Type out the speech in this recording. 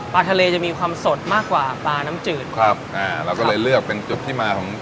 ปลาทะเลจะมีความสดมากกว่าปลาน้ำจืดครับอ่าเราก็เลยเลือกเป็นจุดที่มาของ